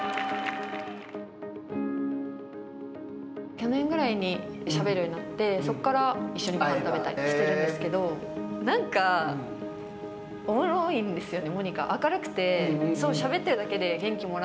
去年ぐらいにしゃべるようになってそこから一緒にごはんを食べたりしてるんですけどなんかおもろいんですよね